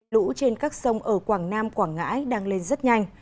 lũ trên các sông ở quảng nam quảng ngãi đang lên rất nhanh